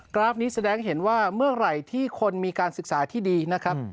ราฟนี้แสดงเห็นว่าเมื่อไหร่ที่คนมีการศึกษาที่ดีนะครับ